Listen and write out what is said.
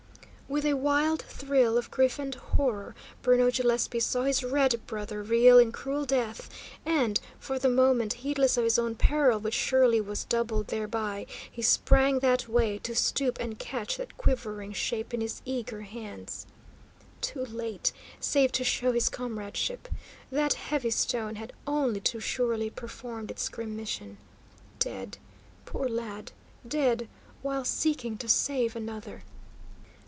With a wild thrill of grief and horror, Bruno Gillespie saw his red brother reel in cruel death, and, for the moment heedless of his own peril, which surely was doubled thereby, he sprang that way, to stoop and catch that quivering shape in his eager hands. Too late, save to show his comradeship. That heavy stone had only too surely performed its grim mission. Dead! Poor lad: dead, while seeking to save another!